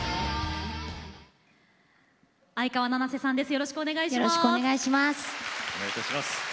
よろしくお願いします。